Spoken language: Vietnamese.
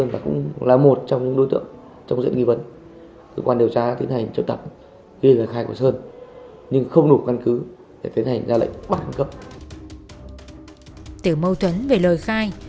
từ mâu thuẫn về lời khai